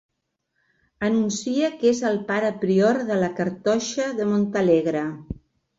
Anuncia que és el pare prior de la Cartoixa de Montalegre.